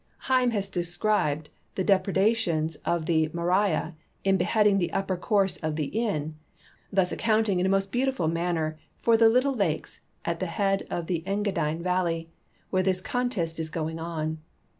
Heim has described the depre dations of the Maira in beheading the upper course of the Inn, thus accounting in a most beautiful manner for the little lakes at the head of the Engadine valley, wdiere this contest is going on.